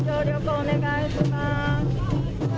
お願いします。